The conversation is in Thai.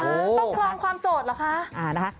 ต้องครองความโสดเหรอคะ